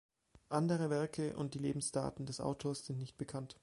Andere Werke und die Lebensdaten des Autors sind nicht bekannt.